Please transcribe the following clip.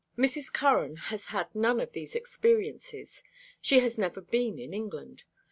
Mrs. Curran has had none of these experiences. She has never been in England.